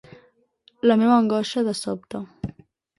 La meua angoixa, de sobte.